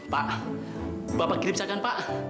pak bapak kirim silahkan pak